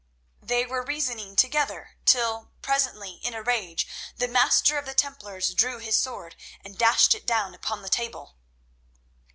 They were reasoning together, till, presently, in a rage, the Master of the Templars drew his sword and dashed it down upon the table.